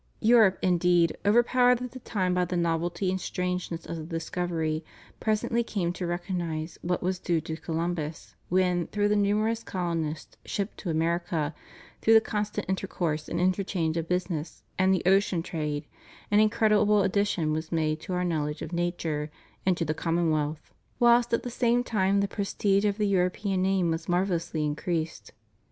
Europe, indeed, overpowered at the time by the novelty and strangeness of the discovery, presently came to recognize what was due to Colimibus, when, through the numerous colonists shipped to America, through the constant intercourse and interchange of business and the ocean trade, an incredible addition was made to our knowledge of nature, and to the commonwealth; whilst at the same time the prestige of the European name was marvellously increased.